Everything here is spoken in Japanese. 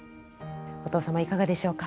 お父様いかがでしょうか？